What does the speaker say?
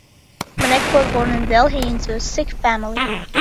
Maneka was born in Delhi into a Sikh family.